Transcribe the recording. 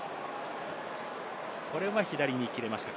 これは左に切れました。